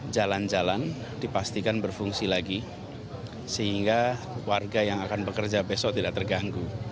jalan jalan dipastikan berfungsi lagi sehingga warga yang akan bekerja besok tidak terganggu